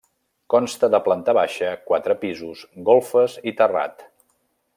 Consta de planta baixa, quatre pisos, golfes i terrat.